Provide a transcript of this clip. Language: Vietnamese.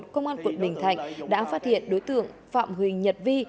công an quận bình thạnh đã phát hiện đối tượng phạm huỳnh nhật vi